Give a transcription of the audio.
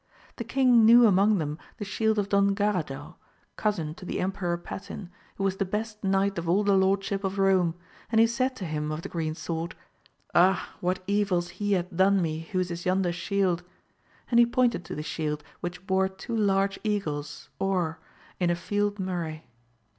The king knew among them the shield of Don Garadau, cousin to the Emperor Patin, who was the best knight pf all the lordship of Eome, and he said to him of the green sword. Ah, what evils he hath done me whose is yonder shield, and he pointed to the shield which bore two large eagles or, in a field murrey.